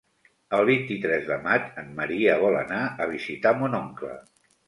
El vint-i-tres de maig en Maria vol anar a visitar mon oncle.